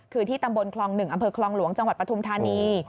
คือที่ตำบลคลอง๑อำเภอคลองหลวงจังหวัดปฐุมธานี